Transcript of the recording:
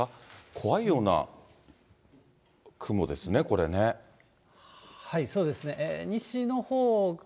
怖いような雲ですね、そうですね、西のほうが。